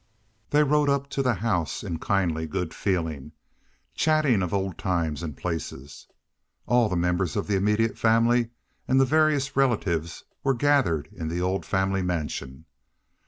They rode up to the house in kindly good feeling, chatting of old times and places. All the members of the immediate family, and the various relatives, were gathered in the old family mansion.